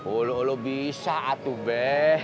ulu ulu bisa atuh be